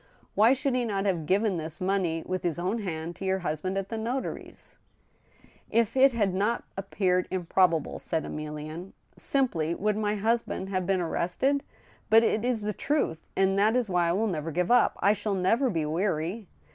Why should he not have given this money with his own hand to your husband at the notary's }"•' If it had not appeared improbable," said Emilienne, simply, " would my husband have been arrested ? But it is the truths and that is why I will never give up — I shall never be weary."